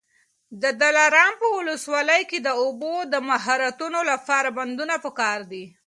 د دلارام په ولسوالۍ کي د اوبو د مهارولو لپاره بندونه پکار دي.